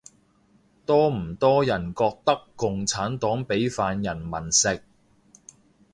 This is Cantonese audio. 多唔多人覺得共產黨畀飯人民食